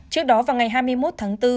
trước đó vào ngày hai mươi một tháng bốn